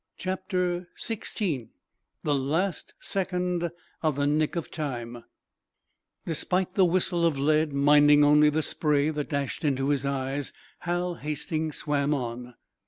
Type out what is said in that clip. CHAPTER XVI THE LAST SECOND OF THE NICK OF TIME Despite the whistle of lead, minding only the spray that dashed into his eyes, Hal Hastings swam on.